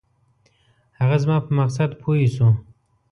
هغه زما په مقصد پوی شو.